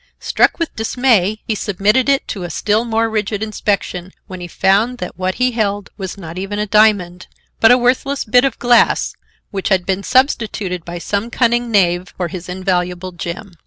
Struck with dismay, he submitted it to a still more rigid inspection, when he found that what he held was not even a diamond, but a worthless bit of glass, which had been substituted by some cunning knave for his invaluable gem.